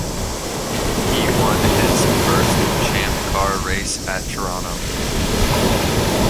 He won his first Champ Car race at Toronto.